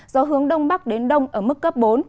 gió hướng đông bắc đến đông ở mức cấp bốn